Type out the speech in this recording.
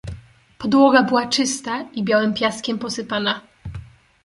"Podłoga była czysta i białym piaskiem posypana."